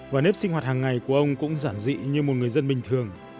và nếp sinh hoạt hàng ngày của ông cũng giản dị như một người dân bình thường